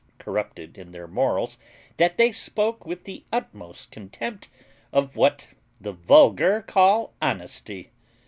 corrupted in their morals, that they spoke with the utmost contempt of what the vulgar call honesty.